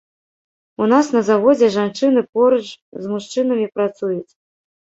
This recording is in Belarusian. У нас на заводзе жанчыны поруч з мужчынамі працуюць.